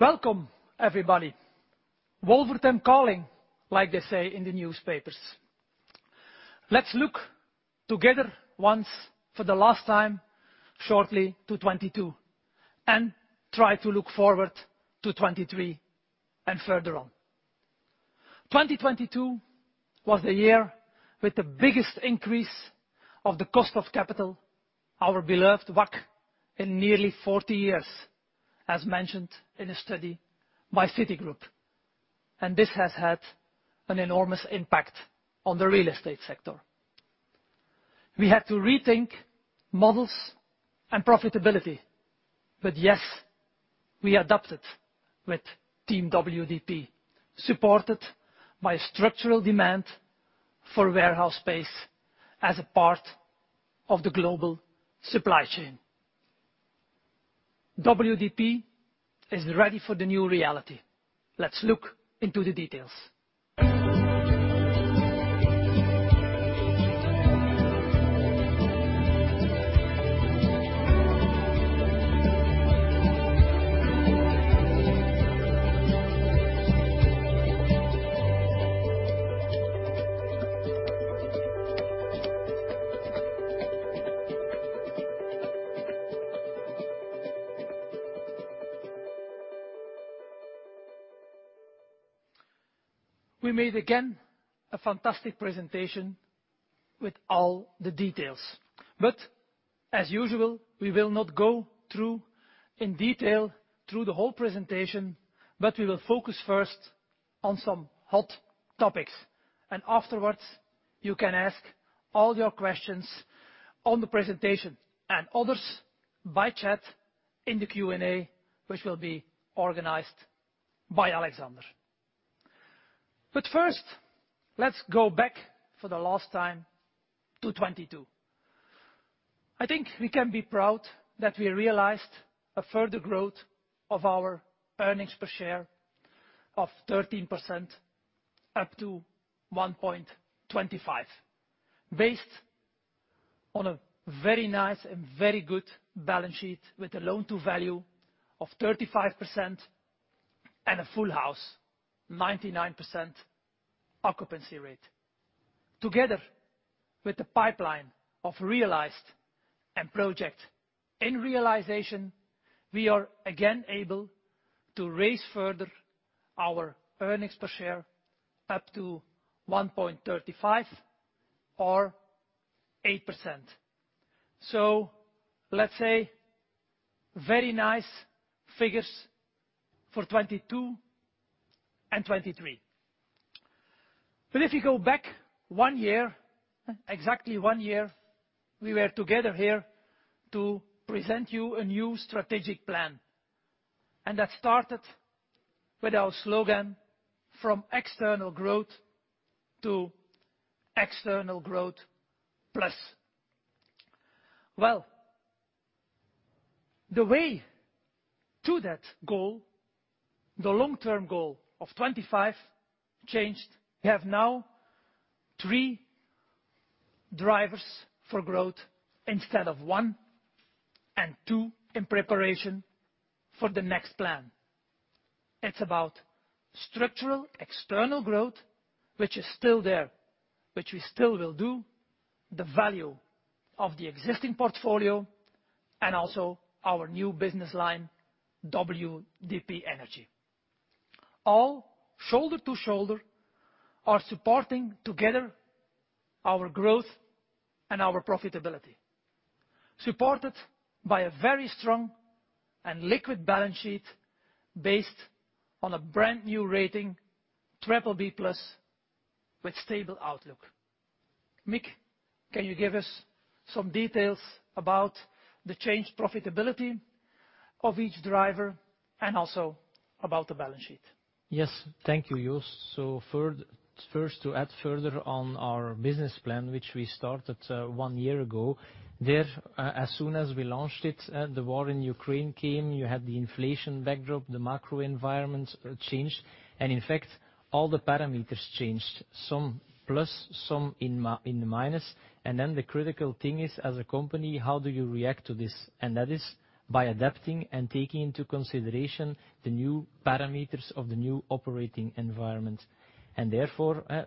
Welcome everybody. Wolvertem calling, like they say in the newspapers. Let's look together once for the last time, shortly to 2022, and try to look forward to 2023 and further on. 2022 was the year with the biggest increase of the cost of capital, our beloved WAC, in nearly 40 years, as mentioned in a study by Citigroup. This has had an enormous impact on the real estate sector. We had to rethink models and profitability. Yes, we adapted with Team WDP, supported by structural demand for warehouse space as a part of the global supply chain. WDP is ready for the new reality. Let's look into the details. We made, again, a fantastic presentation with all the details. As usual, we will not go through, in detail through the whole presentation, but we will focus first on some hot topics. Afterwards, you can ask all your questions on the presentation and others by chat in the Q&A, which will be organized by Alexander. First, let's go back for the last time to 2022. I think we can be proud that we realized a further growth of our earnings per share of 13% up to 1.25. Based on a very nice and very good balance sheet with a loan-to-value of 35% and a full house, 99% occupancy rate. Together with the pipeline of realized and project in realization, we are again able to raise further our earnings per share up to 1.35 or 8%. Let's say very nice figures for 2022 and 2023. If you go back one year, exactly one year, we were together here to present you a new strategic plan. That started with our slogan, from external growth to external growth plus. Well, the way to that goal, the long-term goal of 25 changed. We have now three drivers for growth instead of one and two in preparation for the next plan. It's about structural external growth, which is still there, which we still will do, the value of the existing portfolio, and also our new business line, WDP Energy. All shoulder to shoulder are supporting together our growth and our profitability, supported by a very strong and liquid balance sheet based on a brand-new rating, BBB+ with stable outlook. Mick, can you give us some details about the change profitability of each driver and also about the balance sheet? Yes. Thank you, Joost. First, to add further on our business plan, which we started, one year ago. There, as soon as we launched it, the war in Ukraine came, you had the inflation backdrop, the macro environment changed, in fact all the parameters changed, some plus, some in minus. The critical thing is, as a company, how do you react to this? That is by adapting and taking into consideration the new parameters of the new operating environment. Today,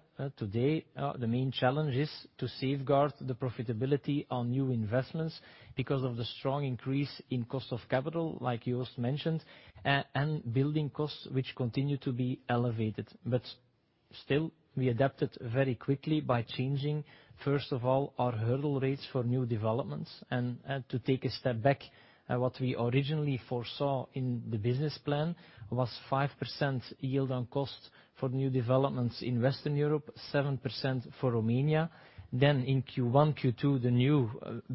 the main challenge is to safeguard the profitability on new investments because of the strong increase in cost of capital, like Joost mentioned, and building costs, which continue to be elevated. We adapted very quickly by changing, first of all, our hurdle rates for new developments. To take a step back, what we originally foresaw in the business plan was 5% yield on cost for new developments in Western Europe, 7% for Romania. In Q1, Q2, the new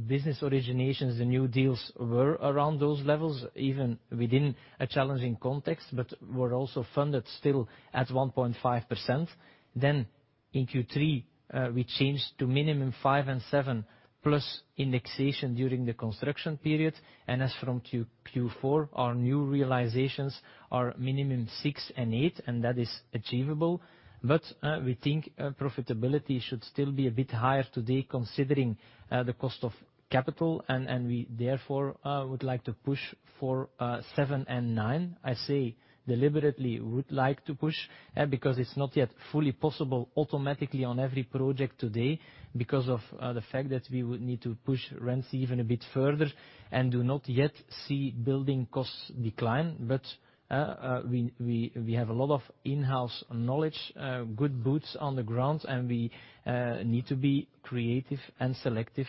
business originations, the new deals were around those levels, even within a challenging context, but were also funded still at 1.5%. In Q3, we changed to minimum 5% and 7% plus indexation during the construction period. As from Q4, our new realizations are minimum 6% and 8%, and that is achievable. We think profitability should still be a bit higher today considering the cost of capital. We therefore would like to push for 7% and 9%. I say deliberately would like to push because it's not yet fully possible automatically on every project today because of the fact that we would need to push rents even a bit further and do not yet see building costs decline. We have a lot of in-house knowledge, good boots on the ground, and we need to be creative and selective.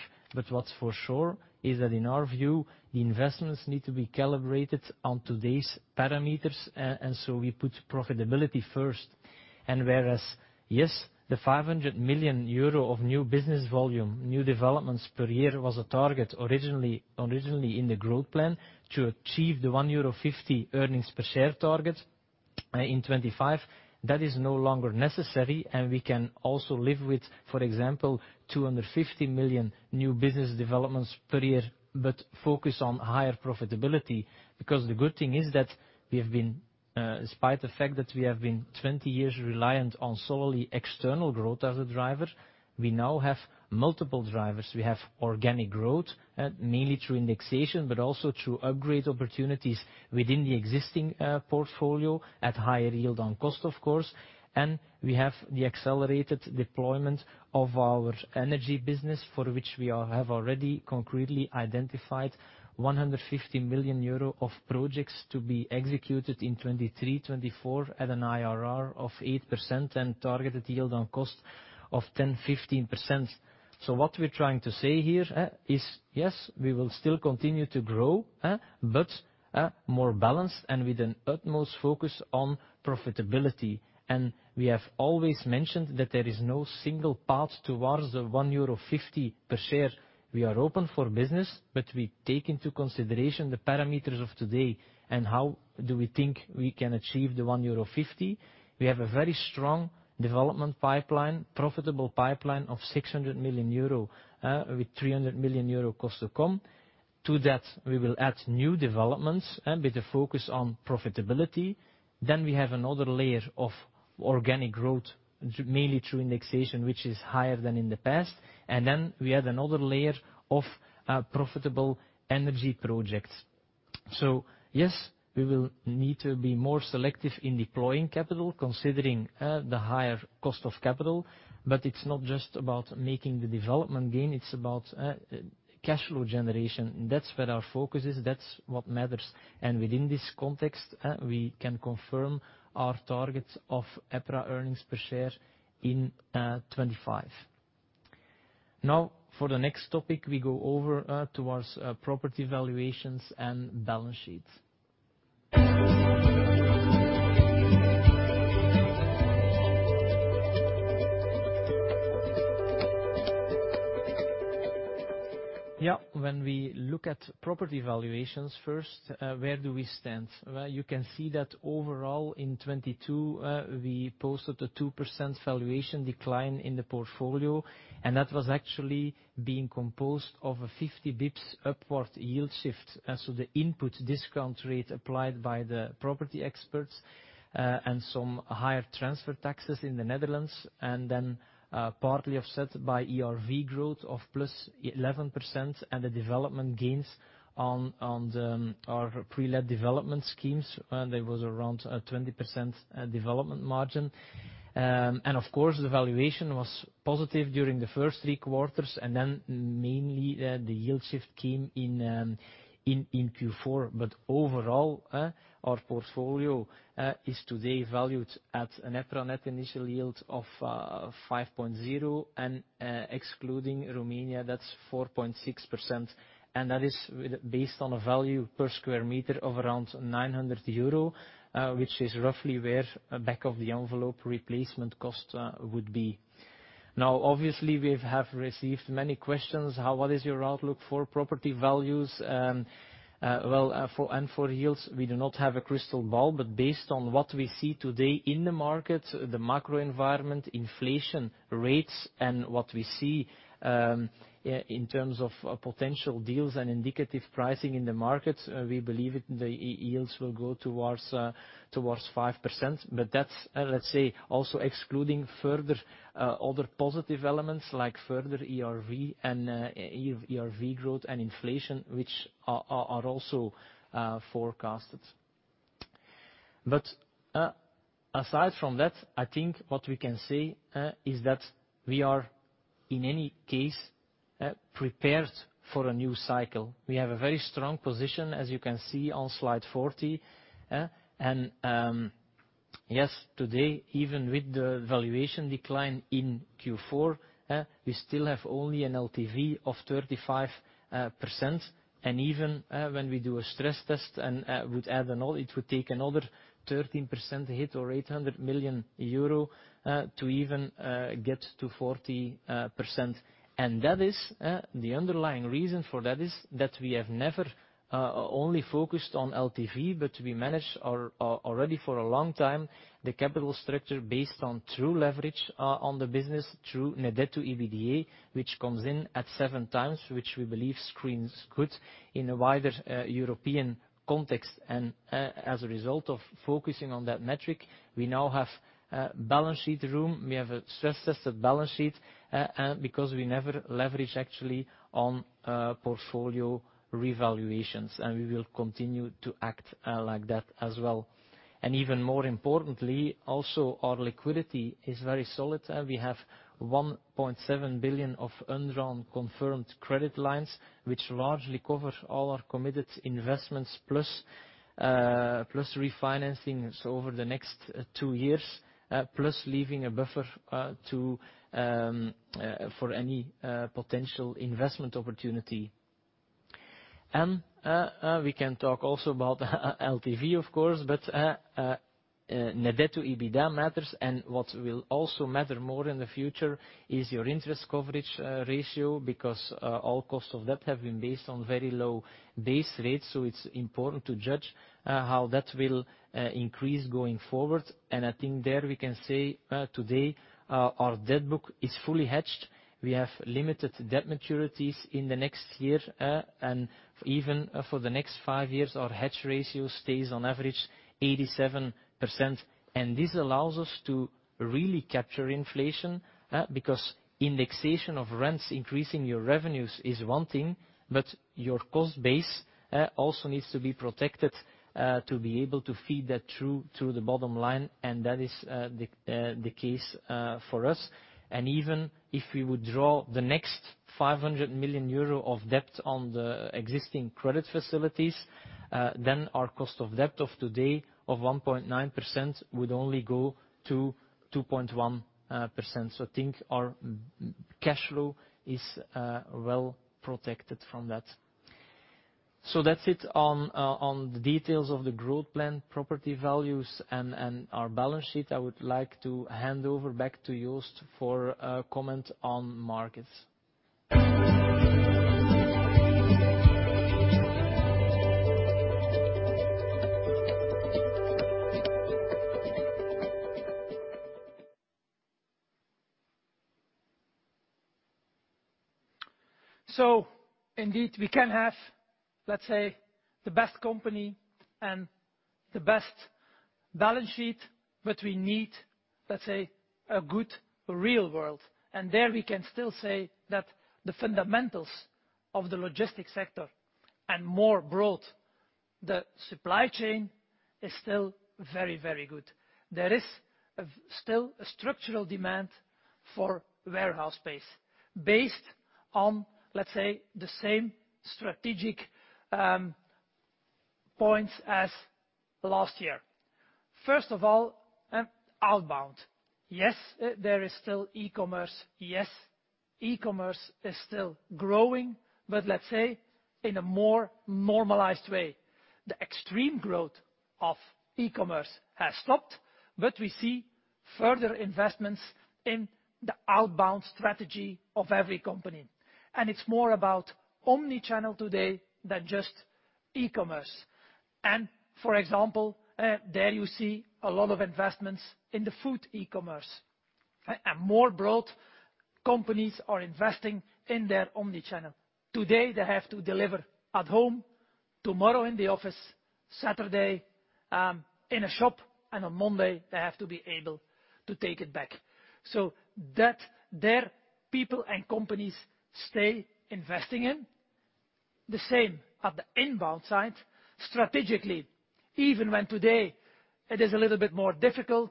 What's for sure is that in our view, the investments need to be calibrated on today's parameters. We put profitability first. Whereas, yes, the 500 million euro of new business volume, new developments per year was a target originally in the growth plan to achieve the 1.50 euro earnings per share target in 2025. That is no longer necessary. We can also live with, for example, 250 million new business developments per year, but focus on higher profitability. The good thing is that we have been in spite the fact that we have been 20 years reliant on solely external growth as a driver, we now have multiple drivers. We have organic growth, mainly through indexation, but also through upgrade opportunities within the existing portfolio at higher Yield on Cost, of course, and we have the accelerated deployment of our energy business. For which we all have already concretely identified 150 million euro of projects to be executed in 2023, 2024 at an IRR of 8% and targeted Yield on Cost of 10%-15%. What we're trying to say here is, yes, we will still continue to grow, but more balanced and with an utmost focus on profitability. We have always mentioned that there is no single path towards the 1.50 euro per share. We are open for business, but we take into consideration the parameters of today and how do we think we can achieve the 1.50 euro. We have a very strong development pipeline, profitable pipeline of 600 million euro, with 300 million euro cost to come. To that, we will add new developments with the focus on profitability. We have another layer of organic growth, mainly through indexation, which is higher than in the past. We add another layer of profitable energy projects. Yes, we will need to be more selective in deploying capital, considering the higher cost of capital. It's not just about making the development gain, it's about cash flow generation. That's where our focus is. That's what matters. Within this context, we can confirm our target of EPRA earnings per share in 2025. For the next topic, we go over towards property valuations and balance sheets. When we look at property valuations first, where do we stand? Well, you can see that overall in 2022, we posted a 2% valuation decline in the portfolio, and that was actually being composed of a 50 bips upward yield shift. The input discount rate applied by the property experts and some higher transfer taxes in the Netherlands. Partly offset by ERV growth of plus 11% and the development gains on our pre-let development schemes. There was around 20% development margin. Of course, the valuation was positive during the first three quarters, then mainly the yield shift came in in Q4. Overall, our portfolio is today valued at an EPRA Net Initial Yield of 5.0%, excluding Romania, that's 4.6%. That is based on a value per square meter of around 900 euro, which is roughly where a back of the envelope replacement cost would be. Obviously, we have received many questions. What is your outlook for property values and, well, for and for yields? We do not have a crystal ball, but based on what we see today in the market, the macro environment, inflation rates, and what we see, in terms of potential deals and indicative pricing in the market, we believe the yields will go towards 5%. That's, let's say, also excluding further other positive elements like further ERV and ERV growth and inflation, which are also forecasted. Aside from that, I think what we can say is that we are in any case prepared for a new cycle. We have a very strong position, as you can see on slide 40, and yes, today, even with the valuation decline in Q4, we still have only an LTV of 35%. Even, when we do a stress test and would add it would take another 13% hit or 800 million euro to even get to 40%. That is the underlying reason for that is that we have never only focused on LTV, but we managed our already for a long time the capital structure based on true leverage on the business through net debt to EBITDA, which comes in at seven times, which we believe screens good in a wider European context. As a result of focusing on that metric, we now have balance sheet room. We have a stress tested balance sheet because we never leverage actually on portfolio revaluations. We will continue to act like that as well. Even more importantly, also our liquidity is very solid, and we have 1.7 billion of undrawn confirmed credit lines, which largely cover all our committed investments plus refinancing over the next two years, plus leaving a buffer to for any potential investment opportunity. We can talk also about LTV of course, but net debt to EBITDA matters and what will also matter more in the future is your Interest Coverage Ratio because all costs of debt have been based on very low base rates. It's important to judge how that will increase going forward. I think there we can say today our debt book is fully hedged. We have limited debt maturities in the next year. Even for the next five years our hedge ratio stays on average 87%. This allows us to really capture inflation, because indexation of rents increasing your revenues is one thing, but your cost base also needs to be protected to be able to feed that through to the bottom line. That is the case for us. Even if we would draw the next 500 million euro of debt on the existing credit facilities, then our cost of debt of today of 1.9% would only go to 2.1%. I think our cash flow is well protected from that. That's it on the details of the growth plan, property values and our balance sheet. I would like to hand over back to Joost for a comment on markets. Indeed we can have, let's say, the best company and the best balance sheet, but we need, let's say, a good real world. There we can still say that the fundamentals of the logistics sector and more broad, the supply chain is still very, very good. There is a still a structural demand for warehouse space based on, let's say, the same strategic points as last year. First of all, outbound. Yes, there is still e-commerce. Yes, e-commerce is still growing, but let's say in a more normalized way. The extreme growth of e-commerce has stopped. We see further investments in the outbound strategy of every company. It's more about omnichannel today than just e-commerce. For example, there you see a lot of investments in the food e-commerce. More broad companies are investing in their omnichannel. Today, they have to deliver at home, tomorrow in the office, Saturday, in a shop, and on Monday they have to be able to take it back. That there people and companies stay investing in. The same at the inbound side. Strategically, even when today it is a little bit more difficult,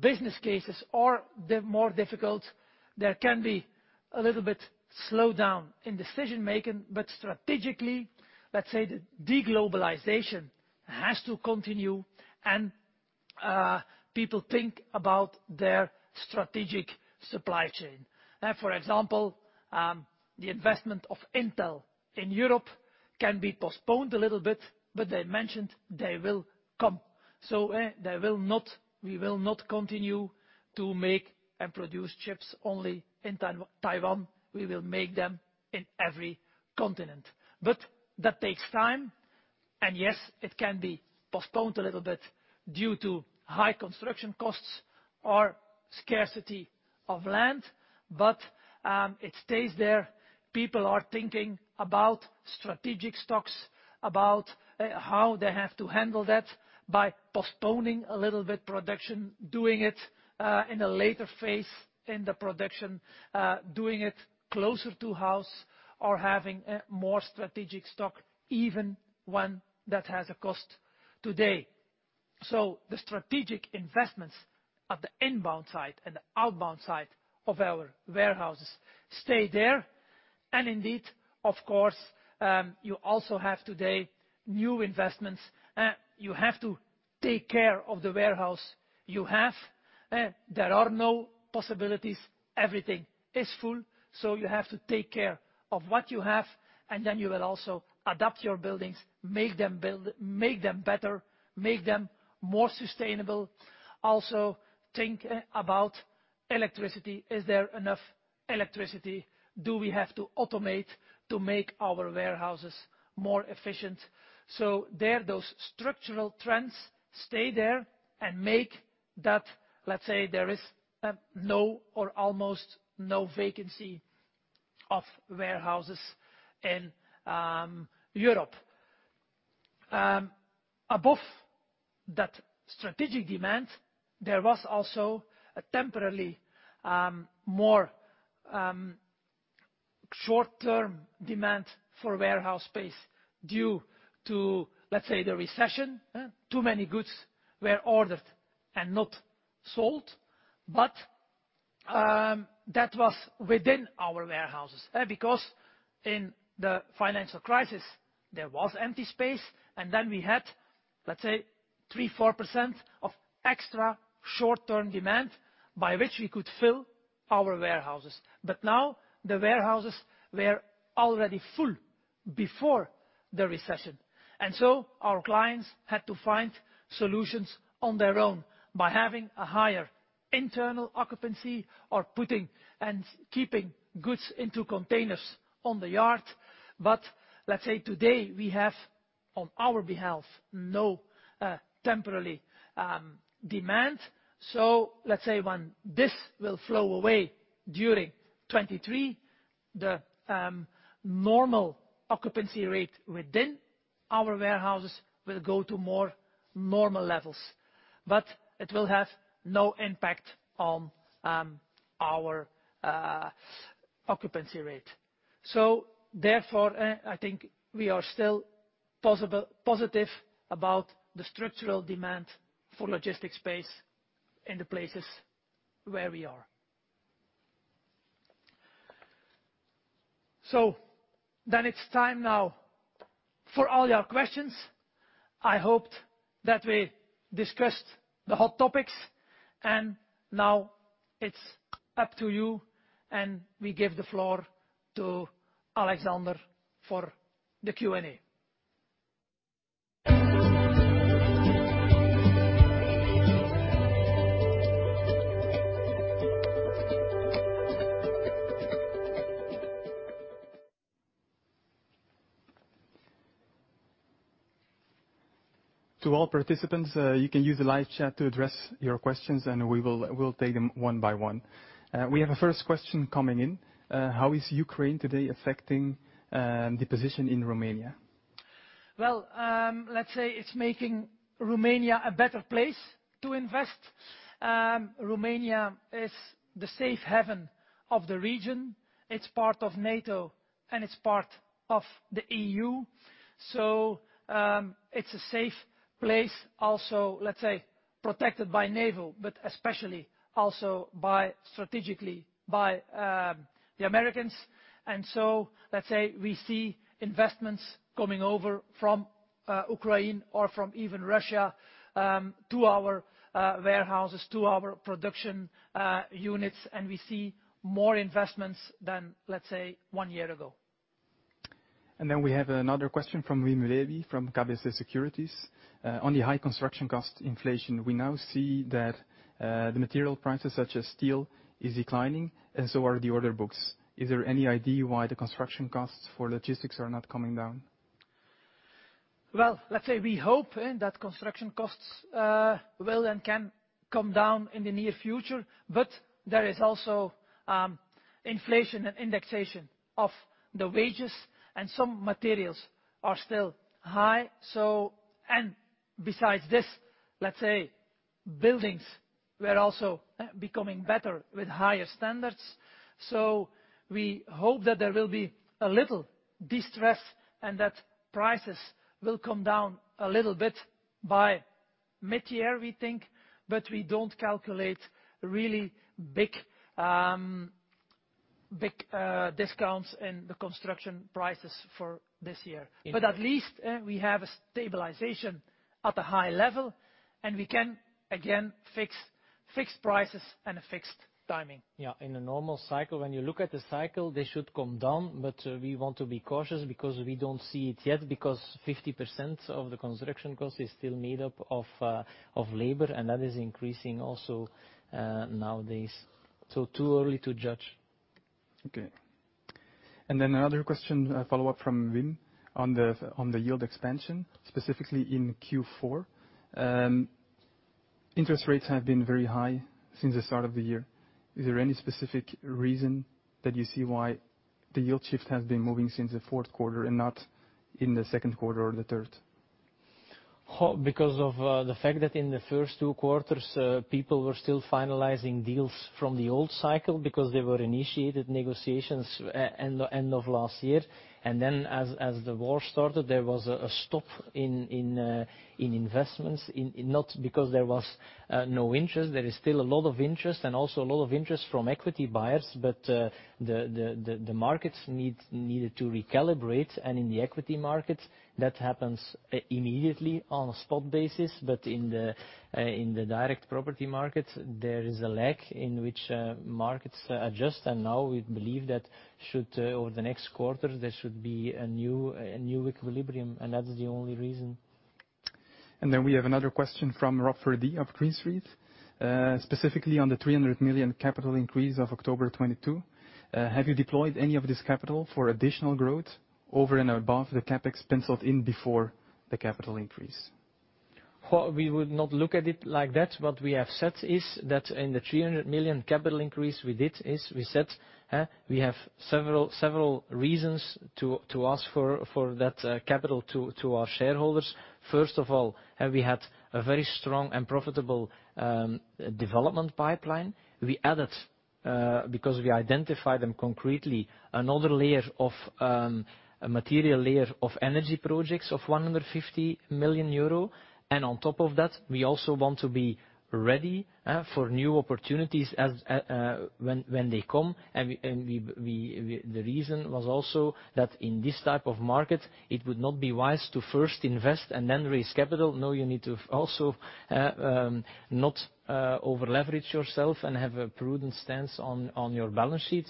business cases are the more difficult. There can be a little bit slowdown in decision-making. Strategically, let's say the de-globalization has to continue and people think about their strategic supply chain. For example, the investment of Intel in Europe can be postponed a little bit, but they mentioned they will come. We will not continue to make and produce chips only in Taiwan. We will make them in every continent. That takes time. Yes, it can be postponed a little bit due to high construction costs or scarcity of land, but it stays there. People are thinking about strategic stocks, about how they have to handle that by postponing a little bit production, doing it in a later phase in the production, doing it closer to house or having more strategic stock, even one that has a cost today. The strategic investments at the inbound side and the outbound side of our warehouses stay there. Indeed, of course, you also have today new investments. You have to take care of the warehouse you have. There are no possibilities. Everything is full, so you have to take care of what you have. Then you will also adapt your buildings, make them better, make them more sustainable. Also think about electricity. Is there enough electricity? Do we have to automate to make our warehouses more efficient? There, those structural trends stay there and make that. Let's say there is no or almost no vacancy of warehouses in Europe. Above that strategic demand, there was also a temporarily more short-term demand for warehouse space due to, let's say, the recession, eh. Too many goods were ordered and not sold. That was within our warehouses, eh. Because in the financial crisis, there was empty space, and then we had, let's say, 3%, 4% of extra short-term demand by which we could fill our warehouses. Now, the warehouses were already full before the recession. Our clients had to find solutions on their own by having a higher internal occupancy or putting and keeping goods into containers on the yard. Let's say today we have, on our behalf, no, temporarily, demand. Let's say when this will flow away during 2023, the normal occupancy rate within our warehouses will go to more normal levels. It will have no impact on our occupancy rate. Therefore, I think we are still positive about the structural demand for logistic space in the places where we are. It's time now for all your questions. I hoped that we discussed the hot topics, and now it's up to you, and we give the floor to Alexander for the Q&A. To all participants, you can use the live chat to address your questions, and we'll take them one by one. We have a first question coming in. How is Ukraine today affecting the position in Romania? Well, let's say it's making Romania a better place to invest. Romania is the safe haven of the region. It's part of NATO, it's part of the EU. It's a safe place also, let's say, protected by naval, but especially also by, strategically by, the Americans. Let's say, we see investments coming over from Ukraine or from even Russia, to our warehouses, to our production units. We see more investments than, let's say, one year ago. We have another question from Wim Lewi from KBC Securities. On the high construction cost inflation, we now see that the material prices, such as steel, is declining and so are the order books. Is there any idea why the construction costs for logistics are not coming down? Well, let's say we hope that construction costs will and can come down in the near future. There is also inflation and indexation of the wages and some materials are still high. Besides this, let's say, buildings were also becoming better with higher standards. We hope that there will be a little destress and that prices will come down a little bit by mid-year, we think. We don't calculate really big discounts in the construction prices for this year. Yeah. At least, we have a stabilization at a high level, and we can again fix fixed prices and a fixed timing. Yeah. In a normal cycle, when you look at the cycle, they should come down. We want to be cautious because we don't see it yet because 50% of the construction cost is still made up of labor, and that is increasing also, nowadays. Too early to judge. Okay. Then another question, follow-up from Wim on the yield expansion, specifically in Q4. Interest rates have been very high since the start of the year. Is there any specific reason that you see why the yield shift has been moving since the fourth quarter and not in the second quarter or the third? Because of the fact that in the first two quarters, people were still finalizing deals from the old cycle because they were initiated negotiations end of last year. As the war started, there was a stop in investments, not because there was no interest. There is still a lot of interest and also a lot of interest from equity buyers. The markets needed to recalibrate. In the equity markets, that happens immediately on a spot basis. In the direct property markets, there is a lag in which markets adjust. Now we believe that over the next quarter, there should be a new equilibrium, and that's the only reason. We have another question from Rob Virdee of Green Street, specifically on the 300 million capital increase of October 2022. Have you deployed any of this capital for additional growth over and above the CapEx penciled in before the capital increase? Well, we would not look at it like that. What we have said is that in the 300 million capital increase we did is we said, we have several reasons to ask for that capital to our shareholders. First of all, we had a very strong and profitable development pipeline. We added, because we identified them concretely, another layer of a material layer of energy projects of 150 million euro. On top of that, we also want to be ready, for new opportunities as when they come. We, and we, the reason was also that in this type of market, it would not be wise to first invest and then raise capital. You need to also not over-leverage yourself and have a prudent stance on your balance sheet.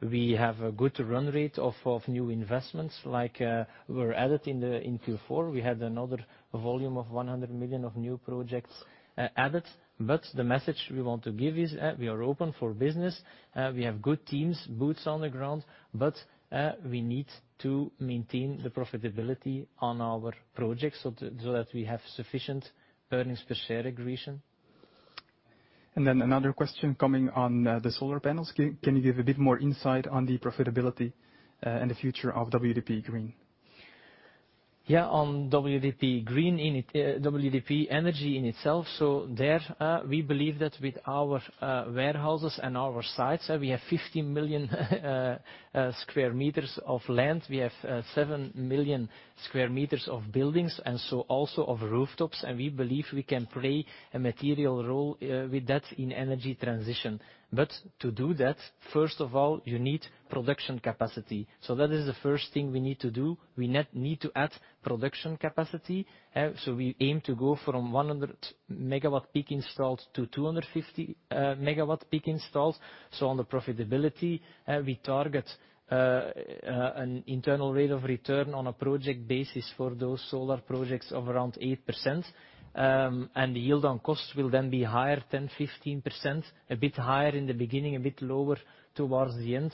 We have a good run rate of new investments, like were added in Q4. We had another volume of 100 million of new projects added. The message we want to give is, we are open for business. We have good teams, boots on the ground, but we need to maintain the profitability on our projects so that we have sufficient earnings per share aggression. Another question coming on, the solar panels. Can you give a bit more insight on the profitability, and the future of WDP Green? Yeah. On WDP Green in it, WDP Energy in itself, there, we believe that with our warehouses and our sites, we have 50 million square meters of land. We have 7 million square meters of buildings, and so also of rooftops. We believe we can play a material role with that in energy transition. To do that, first of all, you need production capacity. That is the first thing we need to do. We net need to add production capacity. We aim to go from 100 megawatt-peak installed to 250 megawatt-peak installed. On the profitability, we target an internal rate of return on a project basis for those solar projects of around 8%, and the Yield on Cost will then be higher 10%-15%, a bit higher in the beginning, a bit lower towards the end.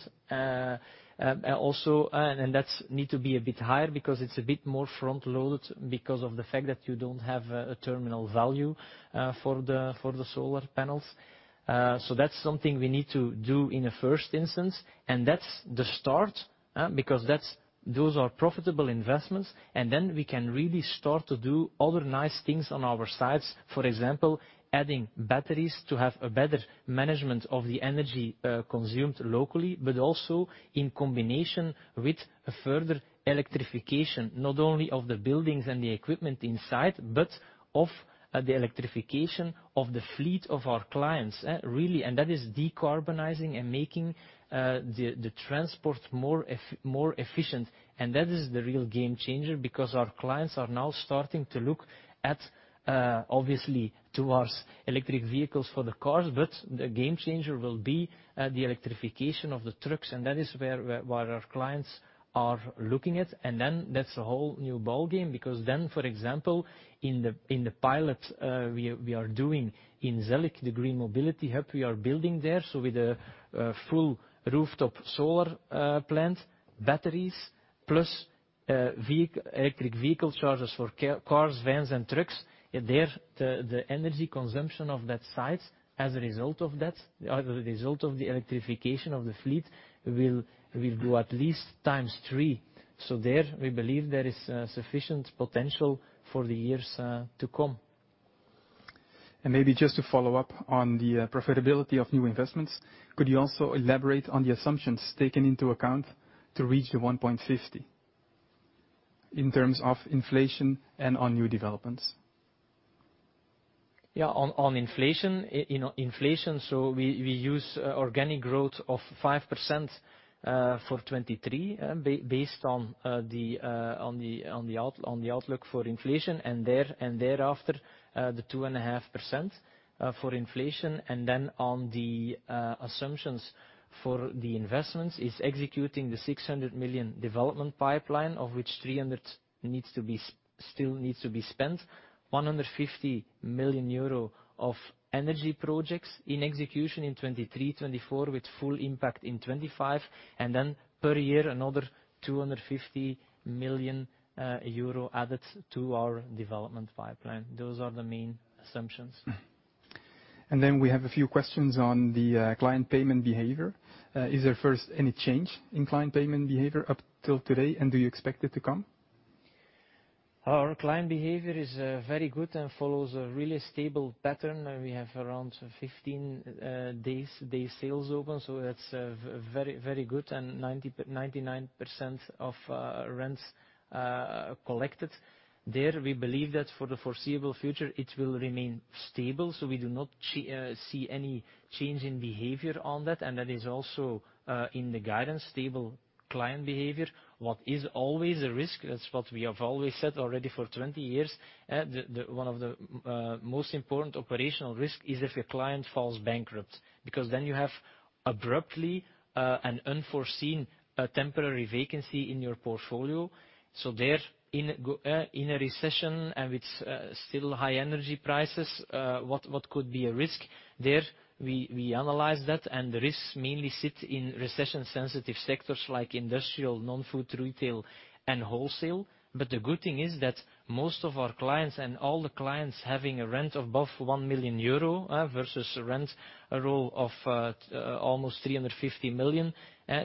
Also, that's need to be a bit higher because it's a bit more front-loaded because of the fact that you don't have a terminal value for the solar panels. That's something we need to do in the first instance. That's the start. Because those are profitable investments. Then we can really start to do other nice things on our sites. For example, adding batteries to have a better management of the energy consumed locally, but also in combination with a further electrification, not only of the buildings and the equipment inside, but of the electrification of the fleet of our clients, eh, really. That is decarbonizing and making the transport more efficient. That is the real game changer, because our clients are now starting to look at obviously towards electric vehicles for the cars, but the game changer will be the electrification of the trucks, and that is where our clients are looking at. That's a whole new ballgame, because then, for example, in the pilot we are doing in Zellik, the Green Mobility Hub we are building there. With a full rooftop solar plant, batteries, plus electric vehicle chargers for cars, vans and trucks. The energy consumption of that site as a result of that, or the result of the electrification of the fleet, will do at least times three. We believe there is sufficient potential for the years to come. Maybe just to follow up on the profitability of new investments, could you also elaborate on the assumptions taken into account to reach the 1.50% in terms of inflation and on new developments? Yeah. On, on inflation, so we use organic growth of 5% for 2023, based on the on the outlook for inflation, and thereafter, 2.5% for inflation. On the assumptions for the investments is executing the 600 million development pipeline, of which 300 million needs to be still needs to be spent. 150 million euro of energy projects in execution in 2023, 2024, with full impact in 2025, and then per year another 250 million euro added to our development pipeline. Those are the main assumptions. We have a few questions on the client payment behavior. Is there first any change in client payment behavior up till today, and do you expect it to come? Our client behavior is very good and follows a really stable pattern. We have around 15 days, Days Sales Outstanding, so that's very good and 99% of rents collected. There we believe that for the foreseeable future it will remain stable, so we do not see any change in behavior on that, and that is also in the guidance, stable client behavior. What is always a risk, that's what we have always said already for 20 years, one of the most important operational risk is if a client falls bankrupt, because then you have abruptly an unforeseen temporary vacancy in your portfolio. There in a recession and with still high energy prices, what could be a risk. There we analyze that. The risks mainly sit in recession-sensitive sectors like industrial, non-food retail, and wholesale. The good thing is that most of our clients and all the clients having a rent above 1 million euro, versus rent, a role of almost 350 million.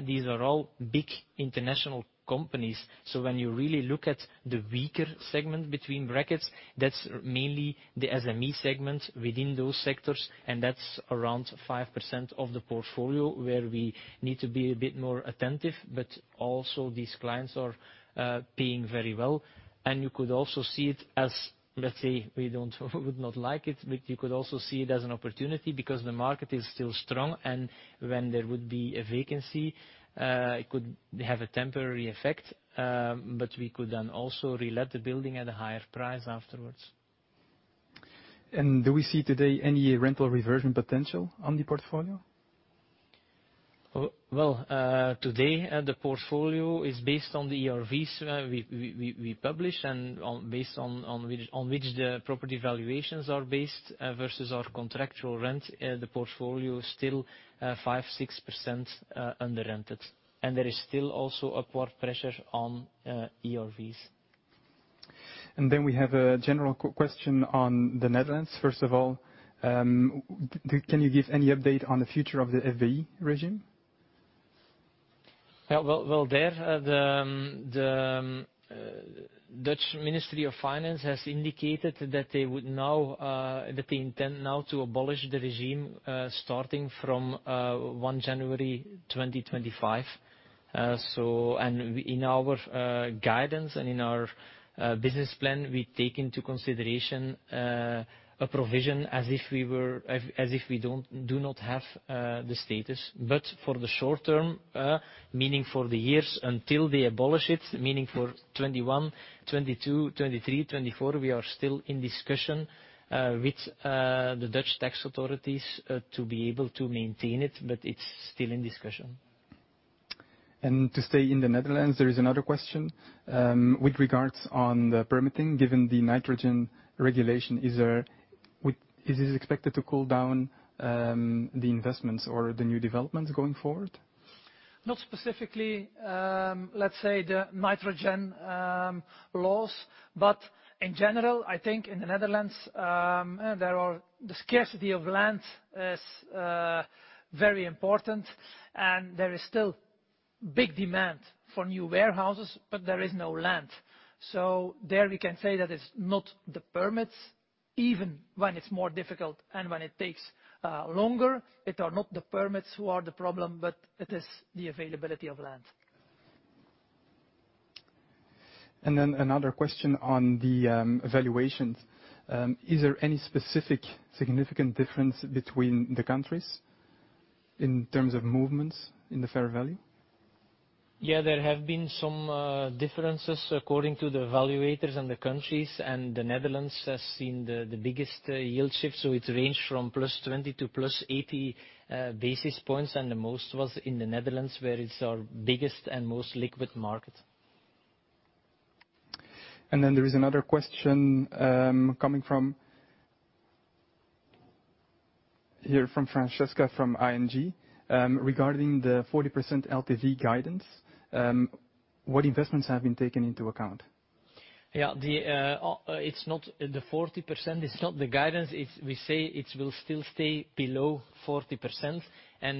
These are all big international companies. When you really look at the weaker segment between brackets, that's mainly the SME segment within those sectors, and that's around 5% of the portfolio where we need to be a bit more attentive. Also these clients are paying very well. You could also see it as, let's say, we don't or would not like it, but you could also see it as an opportunity because the market is still strong. When there would be a vacancy, it could have a temporary effect, but we could then also relet the building at a higher price afterwards. Do we see today any rental reversion potential on the portfolio? Well, today, the portfolio is based on the ERVs we publish and based on which the property valuations are based, versus our contractual rent, the portfolio is still 5%, 6% under-rented. There is still also upward pressure on ERVs. We have a general question on the Netherlands. First of all, can you give any update on the future of the FBI regime? Well, well, there, the Dutch Ministry of Finance has indicated that they would now, that they intend now to abolish the regime, starting from January 1, 2025. And in our guidance and in our business plan, we take into consideration a provision as if we do not have the status. For the short term, meaning for the years until they abolish it, meaning for 2021, 2022, 2023, 2024, we are still in discussion with the Dutch tax authorities to be able to maintain it, but it's still in discussion. To stay in the Netherlands, there is another question, with regards on the permitting, given the nitrogen regulation, is this expected to cool down the investments or the new developments going forward? Not specifically, let's say the nitrogen laws. In general, I think in the Netherlands, the scarcity of land is very important and there is still big demand for new warehouses, but there is no land. There we can say that it's not the permits, even when it's more difficult and when it takes longer, it are not the permits who are the problem, but it is the availability of land. Another question on the valuations. Is there any specific significant difference between the countries in terms of movements in the fair value? Yeah. There have been some differences according to the evaluators and the countries. The Netherlands has seen the biggest yield shift, so it's ranged from +20 to +80 basis points. The most was in the Netherlands, where it's our biggest and most liquid market. There is another question, here from Francesca, from ING, regarding the 40% LTV guidance. What investments have been taken into account? Yeah. The 40% is not the guidance. We say it will still stay below 40%.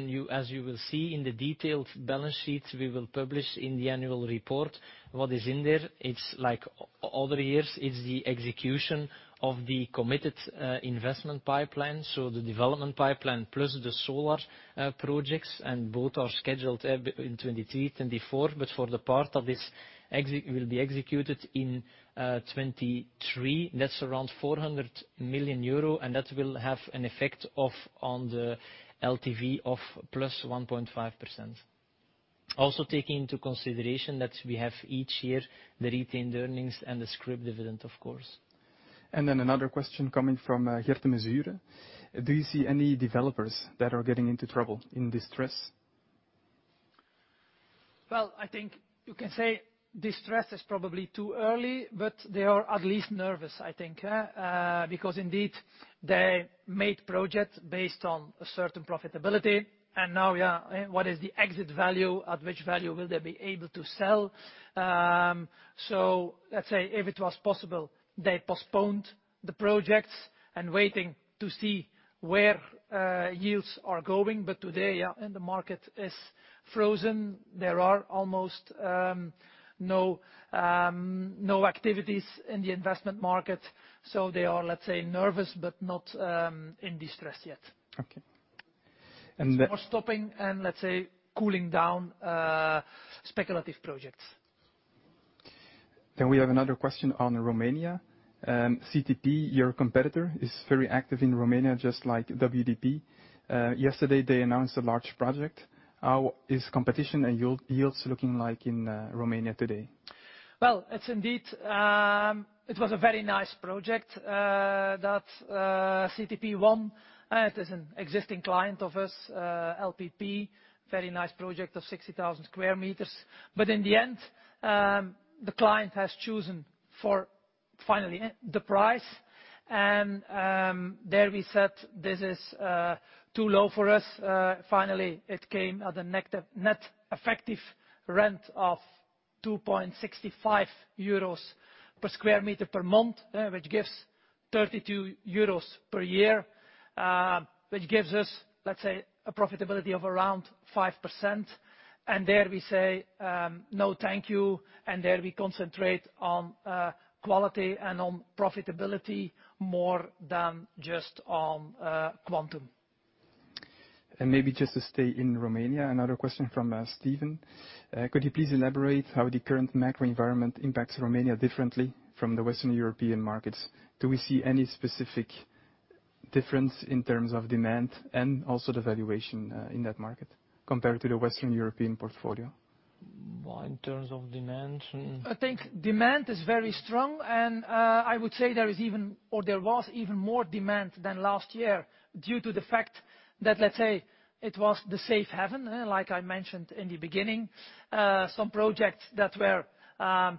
You as you will see in the detailed balance sheets we will publish in the annual report, what is in there, it's like other years, it's the execution of the committed investment pipeline, so the development pipeline plus the solar projects. Both are scheduled in 2023, 2024. For the part that is will be executed in 2023, that's around 400 million euro, and that will have an effect of, on the LTV of +1.5%. Also taking into consideration that we have each year the retained earnings and the scrip dividend, of course. Another question coming from Geert de Mazure. Do you see any developers that are getting into trouble in distress? Well, I think you can say distress is probably too early, but they are at least nervous, I think. Because indeed they made projects based on a certain profitability, and now we are, what is the exit value? At which value will they be able to sell? So let's say if it was possible, they postponed the projects and waiting to see where yields are going. Today, yeah, and the market is frozen. There are almost no activities in the investment market, so they are, let's say, nervous, but not in distress yet. Okay. More stopping and, let's say, cooling down, speculative projects. We have another question on Romania. CTP, your competitor, is very active in Romania, just like WDP. Yesterday they announced a large project. How is competition and yields looking like in Romania today? Well, it's indeed, it was a very nice project that CTP won. It is an existing client of us, LPP. Very nice project of 60,000 square meters. In the end, the client has chosen for finally the price and there we said this is too low for us. Finally it came at a net effective rent of 2.65 euros per square meter per month, which gives 32 euros per year. Which gives us, let's say, a profitability of around 5%. There we say, "No, thank you." There we concentrate on quality and on profitability more than just on quantum. Maybe just to stay in Romania, another question from Steven. Could you please elaborate how the current macro environment impacts Romania differently from the Western European markets? Do we see any specific difference in terms of demand and also the valuation in that market compared to the Western European portfolio? Well, in terms of demand. I think demand is very strong, and I would say there is even or there was even more demand than last year due to the fact that, let's say, it was the safe haven, like I mentioned in the beginning. Some projects that were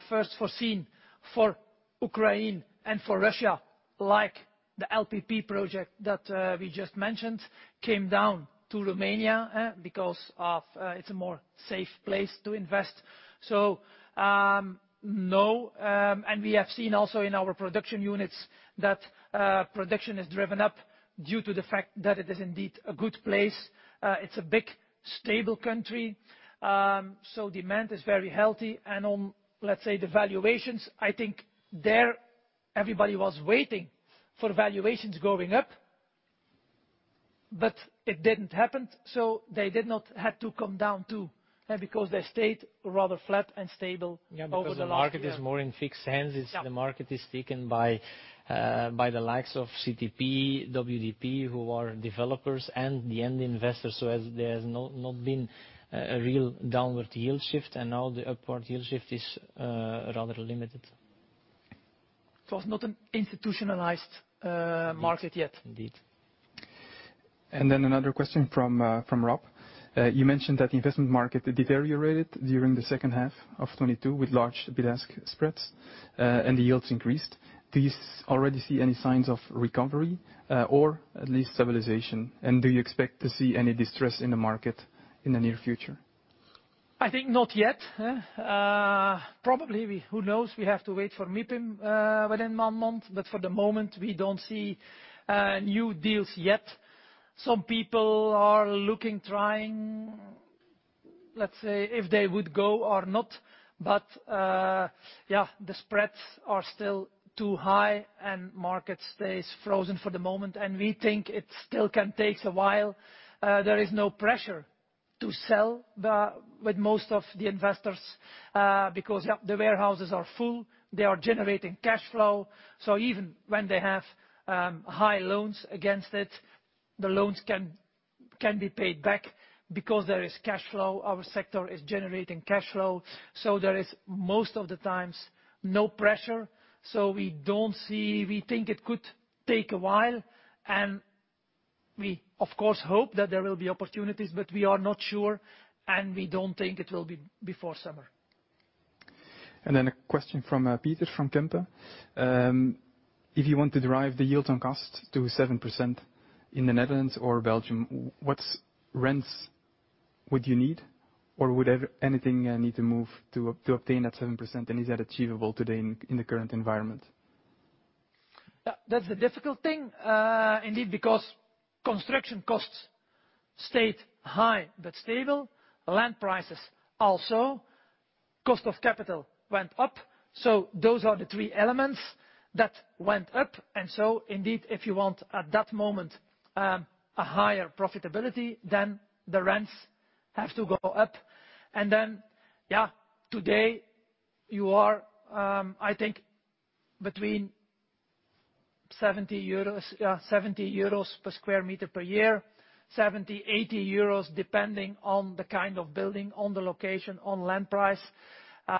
first foreseen for Ukraine and for Russia, like the LPP project that we just mentioned, came down to Romania because it's a more safe place to invest. No, and we have seen also in our production units that production is driven up due to the fact that it is indeed a good place. It's a big, stable country. Demand is very healthy and on, let's say, the valuations, I think there everybody was waiting for valuations going up, but it didn't happen, they did not had to come down too, because they stayed rather flat and stable over the last year. Yeah, because the market is more in fixed hands. Yeah. The market is taken by by the likes of CTP, WDP, who are developers and the end investors. There has not been a real downward yield shift, and now the upward yield shift is rather limited. It's not an institutionalized, Indeed... market yet. Indeed. Another question from Rob. You mentioned that the investment market deteriorated during the second half of 2022 with large bid-ask spreads, and the yields increased. Do you already see any signs of recovery, or at least stabilization? Do you expect to see any distress in the market in the near future? I think not yet. Probably who knows? We have to wait for MIPIM within one month. For the moment, we don't see new deals yet. Some people are looking, trying, let's say, if they would go or not. Yeah, the spreads are still too high, and market stays frozen for the moment. We think it still can takes a while. There is no pressure to sell with most of the investors because, yeah, the warehouses are full. They are generating cash flow. Even when they have high loans against it, the loans can be paid back because there is cash flow. Our sector is generating cash flow. There is, most of the times, no pressure. We think it could take a while. We, of course, hope that there will be opportunities, but we are not sure, and we don't think it will be before summer. A question from Peter from Kempen. If you want to derive the Yields on Cost to 7% in the Netherlands or Belgium, what rents would you need? Would anything need to move to obtain that 7%, and is that achievable today in the current environment? That's the difficult thing, indeed, because construction costs stayed high but stable. Land prices also. Cost of capital went up. Those are the three elements that went up. Indeed, if you want, at that moment, a higher profitability, then the rents have to go up. Today you are, I think between 70 euros, yeah, 70 euros per square meter per year, 70-80 euros depending on the kind of building, on the location, on land price.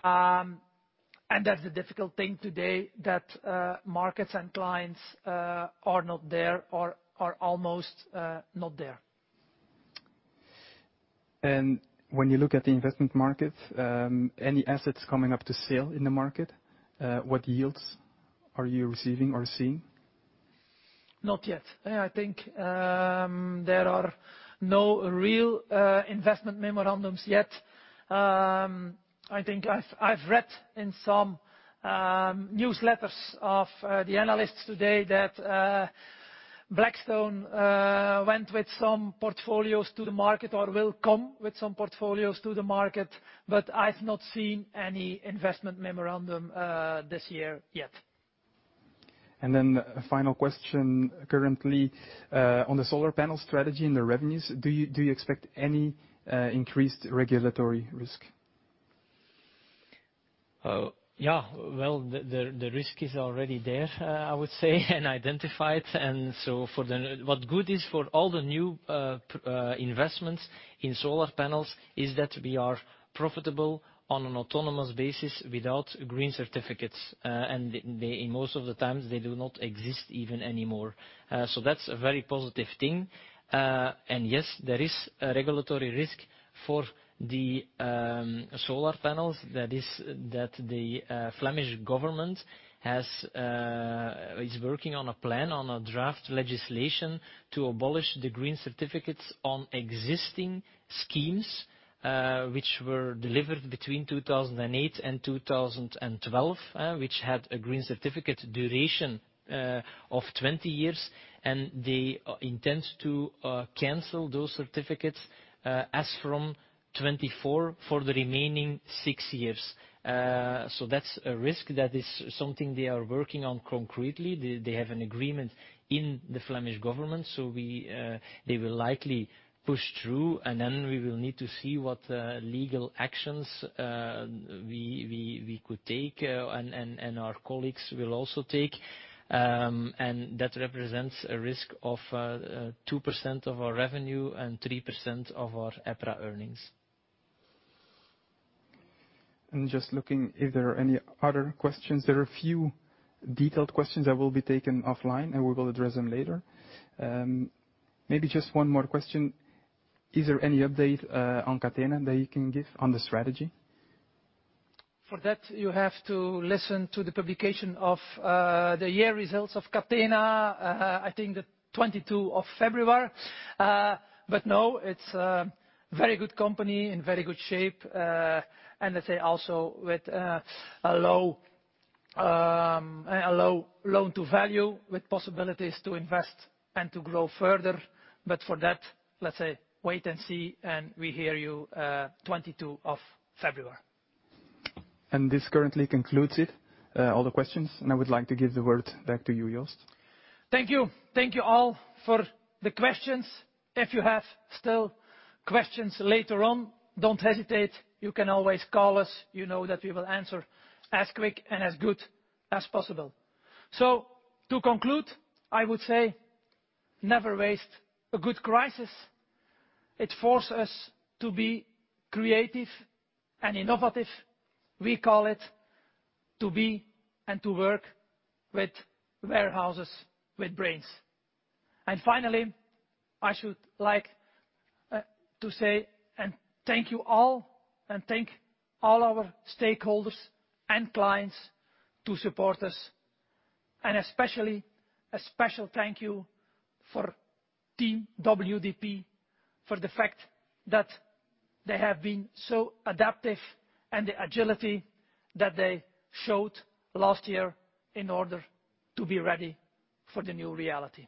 That's the difficult thing today, that markets and clients are not there or are almost not there. When you look at the investment market, any assets coming up to sale in the market, what yields are you receiving or seeing? Not yet. Yeah, I think, there are no real investment memorandums yet. I think I've read in some newsletters of the analysts today that Blackstone went with some portfolios to the market or will come with some portfolios to the market. I've not seen any investment memorandum this year yet. A final question. Currently, on the solar panel strategy and the revenues, do you expect any increased regulatory risk? Yeah, well, the risk is already there, I would say, and identified. So for the, what good is for all the new investments in solar panels is that we are profitable on an autonomous basis without green certificates. And they, in most of the times, they do not exist even anymore. So that's a very positive thing. And yes, there is a regulatory risk for the solar panels, that is that the Flemish Government has a, is working on a plan, on a draft legislation to abolish the green certificates on existing schemes, which were delivered between 2008 and 2012, which had a green certificate duration of 20 years. And they intend to cancel those certificates as from 2024 for the remaining six years. That's a risk. That is something they are working on concretely. They have an agreement in the Flemish Government. We will likely push through, and then we will need to see what legal actions we could take, and our colleagues will also take. That represents a risk of 2% of our revenue and 3% of our EPRA earnings. I'm just looking if there are any other questions. There are few detailed questions that will be taken offline. We will address them later. Maybe just one more question. Is there any update on Catena that you can give on the strategy? For that, you have to listen to the publication of, the year results of Catena, I think the 22 of February. No, it's a very good company in very good shape. Let's say also with, a low loan-to-value, with possibilities to invest and to grow further. For that, let's say wait and see, and we hear you, 22 of February. This currently concludes it, all the questions. I would like to give the word back to you, Joost. Thank you. Thank you all for the questions. If you have still questions later on, don't hesitate. You can always call us. You know that we will answer as quick and as good as possible. To conclude, I would say, never waste a good crisis. It force us to be creative and innovative. We call it to be and to work with warehouses with brains. finally, I should like to say and thank you all, and thank all our stakeholders and clients to support us. especially a special thank you for team WDP for the fact that they have been so adaptive, and the agility that they showed last year in order to be ready for the new reality.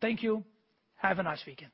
Thank you. Have a nice weekend.